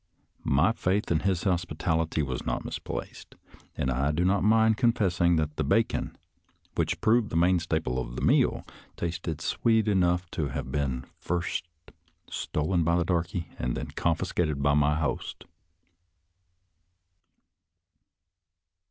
My faith in his hospitality was not misplaced, and I do not mind confessing that the bacon, which proved the main staple of the meal, tasted sweet enough to have been first stolen by the darky, and then confiscated by my host.